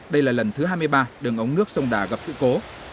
đây là lần thứ hai mươi ba đường ống nước sông đà gặp sự cố